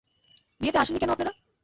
বিয়েতে আসেননি কেন আপনারা?